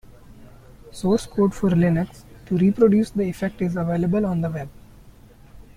Source code for Linux to reproduce the effect is available on the web.